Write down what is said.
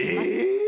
え！